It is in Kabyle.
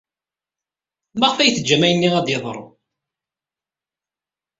Maɣef ay teǧǧam ayenni ad d-yeḍru?